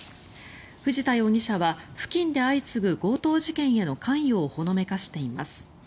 藤田容疑者は付近で相次ぐ強盗事件への関与をほのめかしています。